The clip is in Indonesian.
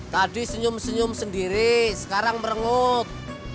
tadi senyum senyum sendiri sekarang merengut